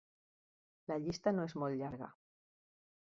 La llista no és molt llarga.